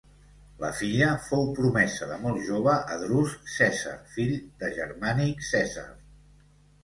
La filla fou promesa de molt jove a Drus Cèsar, fill de Germànic Cèsar.